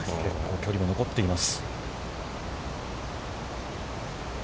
距離も残っています。